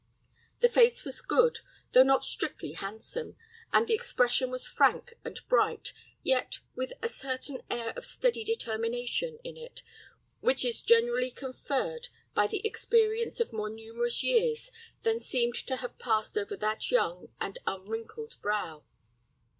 The face was good, though not strictly handsome, and the expression was frank and bright, yet with a certain air of steady determination in it which is generally conferred by the experience of more numerous years than seemed to have passed over that young and unwrinkled brow.